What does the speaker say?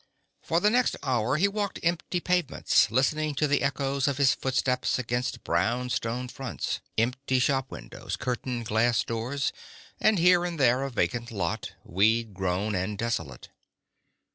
For the next hour he walked empty pavements, listening to the echoes of his footsteps against brownstone fronts, empty shop windows, curtained glass doors, and here and there a vacant lot, weed grown and desolate.